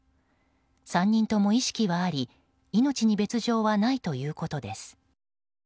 ３人とも意識はあり命に別条はないということです。